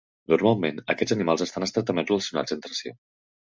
Normalment, aquests animals estan estretament relacionats entre si.